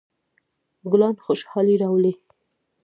ګلان خوشحالي راولي.